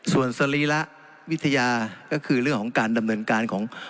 ส่วนสรีระวิทยาก็คือเรื่องของการดำเนินการของ